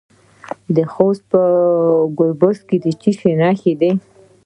د خوست په ګربز کې د څه شي نښې دي؟